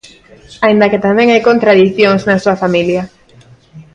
Aínda que tamén hai contradicións na súa familia.